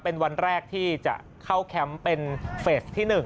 เป็นวันแรกที่จะเข้าแคมป์เป็นเฟสที่๑